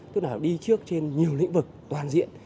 tức là đi trước trên nhiều lĩnh vực toàn diện